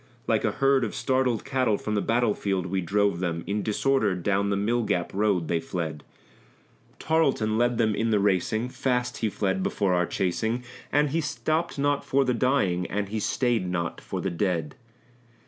Like a herd of startled cattle from the battlefield we drove them; In disorder down the Mill gap road they fled; Tarleton led them in the racing, fast he fled before our chasing, And he stopped not for the dying, and he stayed not for the dead.